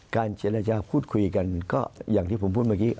เจรจาพูดคุยกันก็อย่างที่ผมพูดเมื่อกี้